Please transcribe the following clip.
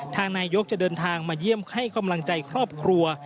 นายกจะเดินทางมาเยี่ยมให้กำลังใจครอบครัว